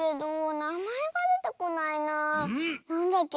なんだっけ？